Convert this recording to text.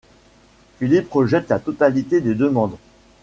Philippe rejette la totalité des demandes.